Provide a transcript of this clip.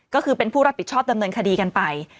ก็คือเป็นผู้รับผิดชอบดำเนินคดีกันไป